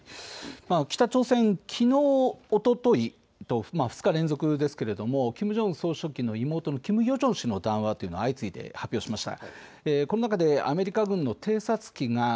北朝鮮きのうおとといと２日連続ですけれどもキム・ジョンウン総書記の妹のキム・ヨジョン氏の談話というのを発表しました。